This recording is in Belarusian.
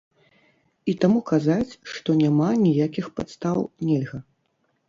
І таму казаць, што няма ніякіх падстаў, нельга.